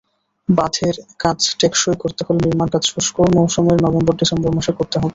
বাঁধের কাজ টেকসই করতে হলে নির্মাণকাজ শুষ্ক মৌসুমের নভেম্বর-ডিসেম্বর মাসে করতে হবে।